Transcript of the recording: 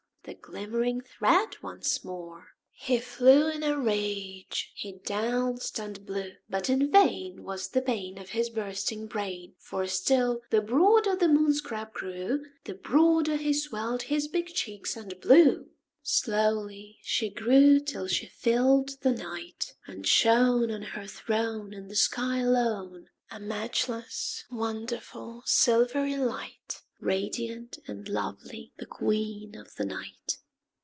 The glimmering thread once more! He flew in a rage he danced and blew; But in vain Was the pain Of his bursting brain; For still the broader the Moon scrap grew, The broader he swelled his big cheeks and blew. Slowly she grew till she filled the night, And shone On her throne In the sky alone, A matchless, wonderful, silvery light, Radiant and lovely, the Queen of the night.